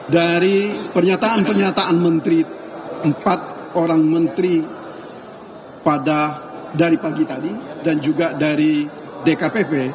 dari pernyataan pernyataan menteri empat orang menteri pada dari pagi tadi dan juga dari dkpp